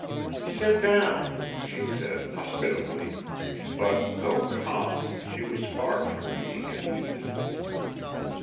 "Sit down," she said, hospitably, but though calm, she was far from being at ease.